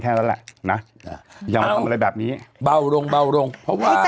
นั่นแหละนะอย่ามาทำอะไรแบบนี้เบาลงเบาลงเพราะว่า